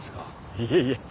いえいえ。